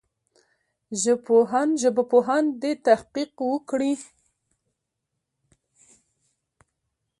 ژبپوهان دي تحقیق وکړي.